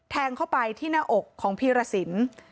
แทงเข้าไปที่หน้าอกของพีรสิน